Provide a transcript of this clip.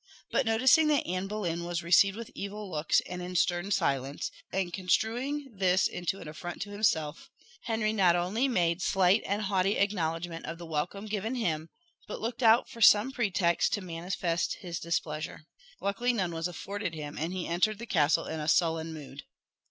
But noticing that Anne Boleyn was received with evil looks and in stern silence, and construing this into an affront to himself, Henry not only made slight and haughty acknowledgment of the welcome given him, but looked out for some pretext to manifest his displeasure. Luckily none was afforded him, and he entered the castle in a sullen mood.